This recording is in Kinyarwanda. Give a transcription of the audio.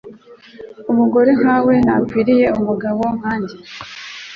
Umugore nkawe ntakwiriye umugabo nkanjye.